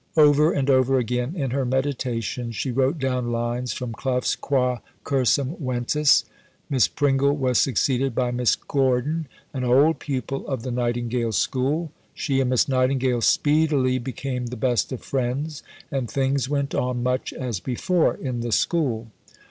Over and over again in her meditations she wrote down lines from Clough's Qua Cursum Ventus. Miss Pringle was succeeded by Miss Gordon, an old pupil of the Nightingale School; she and Miss Nightingale speedily became the best of friends, and things went on much as before in the School.